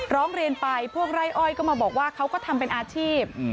ร้องเรียนไปพวกไร่อ้อยก็มาบอกว่าเขาก็ทำเป็นอาชีพ